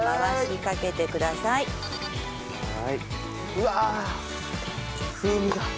うわあ風味が。